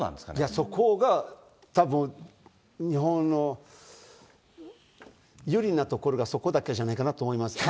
そこが、たぶん、日本の有利なところがそこだけじゃないかなと思います。